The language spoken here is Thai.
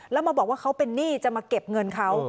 แล้วมาบอกว่าเขาเป็นหนี้จะมาเก็บเงินเขา